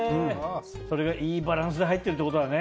それがいいバランスで入ってるってことだね。